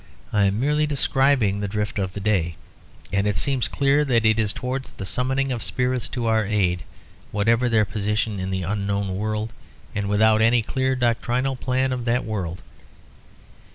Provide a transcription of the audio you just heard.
I am merely describing the drift of the day; and it seems clear that it is towards the summoning of spirits to our aid whatever their position in the unknown world, and without any clear doctrinal plan of that world.